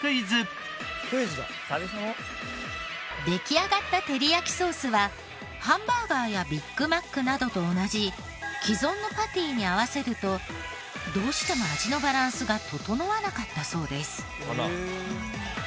出来上がったてりやきソースはハンバーガーやビッグマックなどと同じ既存のパティに合わせるとどうしても味のバランスが調わなかったそうです。